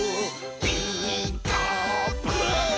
「ピーカーブ！」